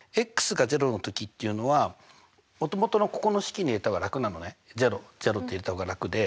が０の時っていうのはもともとのここの式に入れた方が楽なのね００って入れた方が楽で。